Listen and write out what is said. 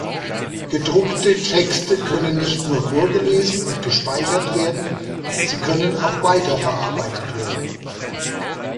Gedruckte Texte können nicht nur vorgelesen und gespeichert werden, sie können auch weiterverarbeitet werden.